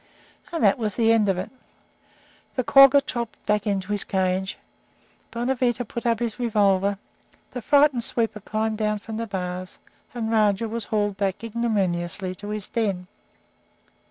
And that was the end of it. The quagga trotted back to its cage, Bonavita put up his revolver, the frightened sweeper climbed down from the bars, and Rajah was hauled back ignominiously to his den.